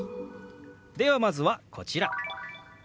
ではまずはこちら。